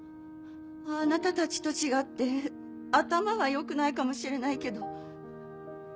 あなたたちと違って頭は良くないかもしれないけど。